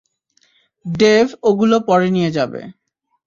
Dave ওগুলো পরে নিয়ে যাবে।